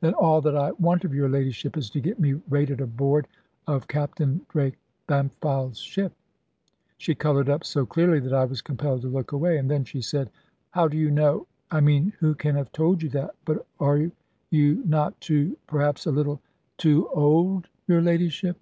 "Then all that I want of your ladyship is to get me rated aboard of Captain Drake Bampfylde's ship." She coloured up so clearly that I was compelled to look away: and then she said "How do you know I mean who can have told you that but are you not too perhaps a little " "Too old, your ladyship?